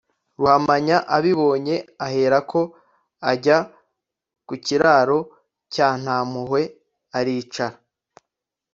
ruhamanya abibonye ahera ko ajya ku kiraro cya ntampuhwe aricara: